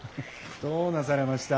どうなされました？